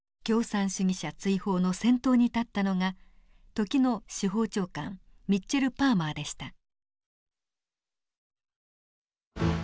共産主義者追放の先頭に立ったのが時の司法長官ミッチェル・パーマーでした。